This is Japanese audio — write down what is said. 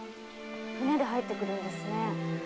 舟で入ってくるんですね。